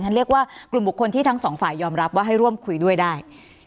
เรียกว่ากลุ่มบุคคลที่ทั้งสองฝ่ายยอมรับว่าให้ร่วมคุยด้วยได้